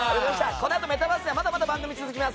このあとメタバースの番組まだまだ配信で続きます。